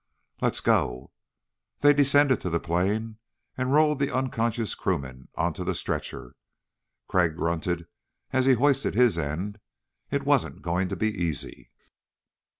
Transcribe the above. "Let's go." They descended to the plain and rolled the unconscious crewman onto the stretcher. Crag grunted as he hoisted his end. It wasn't going to be easy.